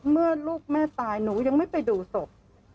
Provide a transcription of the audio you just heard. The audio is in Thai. ลูกแม่ตายหนูยังไม่ไปดูศพ